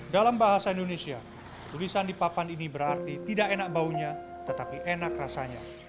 dalam bahasa indonesia tulisan di papan ini berarti tidak enak baunya tetapi enak rasanya